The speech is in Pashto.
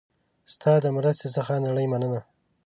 ستا د مرستې څخه نړۍ مننه